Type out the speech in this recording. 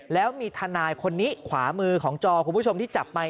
แล้วมีทนายคนนี้ขวามือของจอคุณผู้ชมที่จับไมค